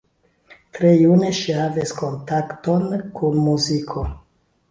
Tre june ŝi havis kontakton kun muziko.